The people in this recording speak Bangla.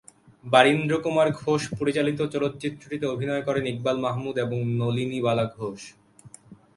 বারীন্দ্রকুমার ঘোষ পরিচালিত চলচ্চিত্রটিতে অভিনয় করেন ইকবাল মাহমুদ এবং নলিনীবালা ঘোষ।